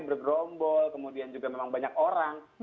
bergerombol kemudian juga memang banyak orang